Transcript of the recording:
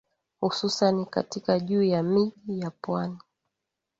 Hususani katika juu ya miji ya pwani